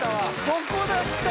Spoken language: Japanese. ここだった。